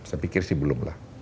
saya pikir sih belum lah